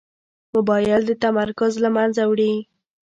موبایل د تمرکز له منځه وړي.